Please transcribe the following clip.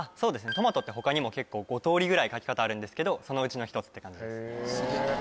トマトって他にも５通りぐらい書き方あるんですけどそのうちの１つって感じです